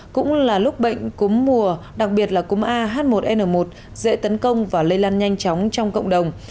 cũng là lúc bệnh cúm mùa đặc biệt là cúm ah một n một dễ tấn công và lây lan nhanh chóng trong cộng đồng